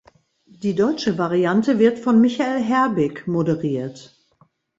Die deutsche Variante wird von Michael Herbig moderiert.